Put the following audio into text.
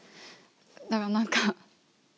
だから何か。